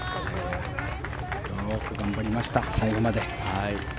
よく頑張りました最後まで。